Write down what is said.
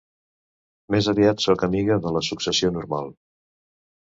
Més aviat sóc amiga de la successió normal